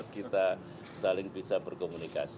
kita saling bisa berkomunikasi